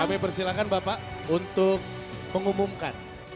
kami persilahkan bapak untuk mengumumkan